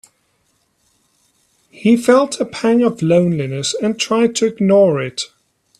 He felt a pang of loneliness and tried to ignore it.